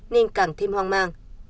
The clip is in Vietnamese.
nên càng thêm hoang mang